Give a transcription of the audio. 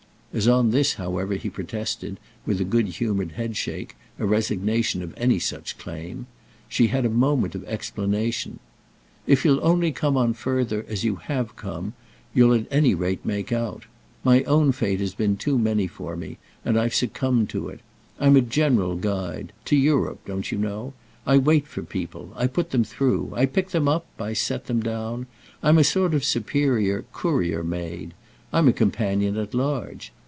As on this, however, he protested, with a good humoured headshake, a resignation of any such claim, she had a moment of explanation. "If you'll only come on further as you have come you'll at any rate make out. My own fate has been too many for me, and I've succumbed to it. I'm a general guide—to 'Europe,' don't you know? I wait for people—I put them through. I pick them up—I set them down. I'm a sort of superior 'courier maid.' I'm a companion at large.